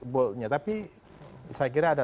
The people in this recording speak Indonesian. boldnya tapi saya kira ada